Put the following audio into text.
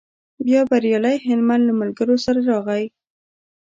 بیا بریالی هلمند له ملګرو سره راغی.